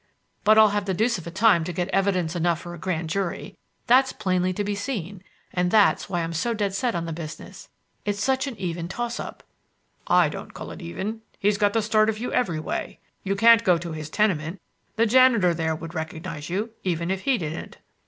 But I'll have the deuce of a time to get evidence enough for a grand jury. That's plainly to be seen, and that's why I'm so dead set on the business. It's such an even toss up." "I don't call it even. He's got the start of you every way. You can't go to his tenement; the janitor there would recognise you even if he didn't."